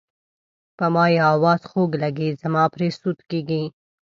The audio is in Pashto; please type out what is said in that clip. په ما یې اواز خوږ لګي زما پرې سود کیږي.